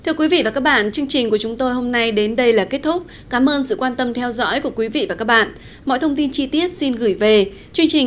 xin kính chào và hẹn gặp lại trong các chương trình tiếp theo